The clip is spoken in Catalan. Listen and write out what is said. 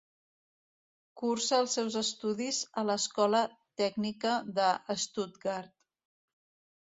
Cursa els seus estudis a l'Escola Tècnica de Stuttgart.